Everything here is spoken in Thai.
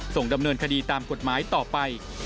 ส่งดำเนินคดีตามกฎหมายต่อไป